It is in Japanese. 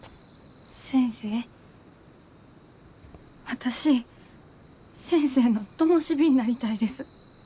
私先生のともし火になりたいです。